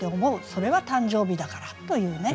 それは誕生日だからというね。